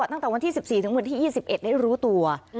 ตั้งแต่วันที่๑๔ถึงวันที่๒๑ได้รู้ตัว